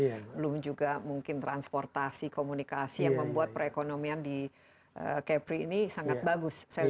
belum juga mungkin transportasi komunikasi yang membuat perekonomian di kepri ini sangat bagus